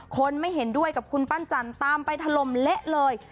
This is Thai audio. คนไม่เห็นด้วยกับคุณปั้นจันทร์ตามไปถล่มเละเลย